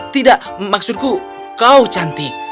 tidak maksudku kau cantik